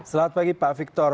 selamat pagi pak victor